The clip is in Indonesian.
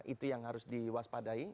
itu yang harus diwaspadai